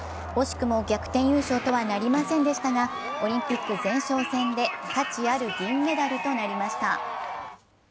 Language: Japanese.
惜しくも逆転優勝とはなりませんでしたが、オリンピック前哨戦で価値ある銀メダルとなりました。